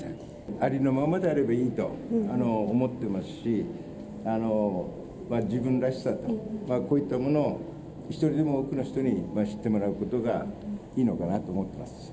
ありのままであればいいと思っていますし、自分らしさ、こういったものを、一人でも多くの人に知ってもらうことがいいのかなと思っています。